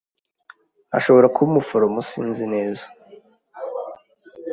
Ashobora kuba umuforomo. Sinzi neza.